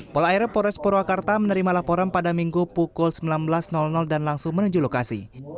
polai pores purwakarta menerima laporan pada minggu pukul sembilan belas dan langsung menuju lokasi